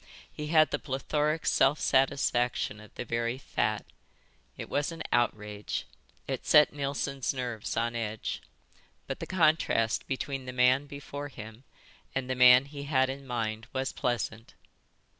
He had the plethoric self satisfaction of the very fat. It was an outrage. It set Neilson's nerves on edge. But the contrast between the man before him and the man he had in mind was pleasant.